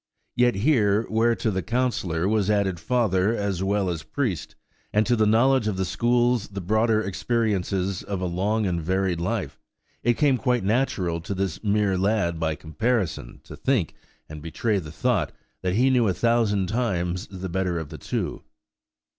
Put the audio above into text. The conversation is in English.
Yet here, where to the counsellor was added father as well as priest, and to the knowledge of the schools the broader experiences of a long and varied life, it came quite natural to this mere lad by comparison, to think, and betray the thought, that he knew a thousand times the better of the two.